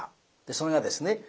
それがですね